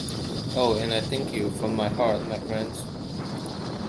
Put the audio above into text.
Oh, and I thank you from my heart, my friends.